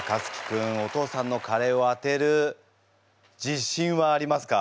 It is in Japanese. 君お父さんのカレーを当てる自信はありますか？